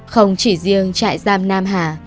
không chỉ riêng trại giam nam hà